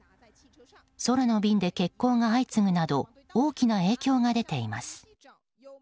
空の便で欠航が相次ぐなど大きな影響が出ています。